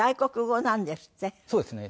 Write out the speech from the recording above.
そうですね。